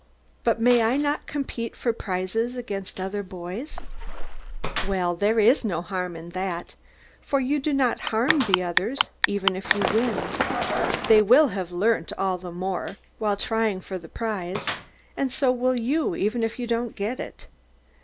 But may I not compete for prizes against the other boys? Well, there is no harm in that; for you do not harm the others, even if you win. They will have learnt all the more, while trying for the prize; and so will you, even if you don't get it.